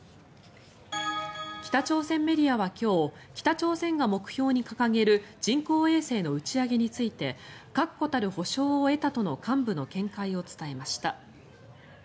北朝鮮メディアは今日北朝鮮が目標に掲げる人工衛星の打ち上げについて確固たる保証を得たとの幹部の見解を伝えました。